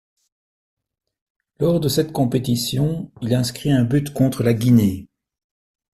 Lors de cette compétition, il inscrit un but contre la Guinée.